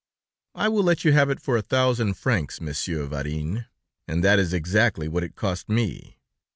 "I will let you have it for a thousand francs, Monsieur Varin, and that is exactly what it cost me.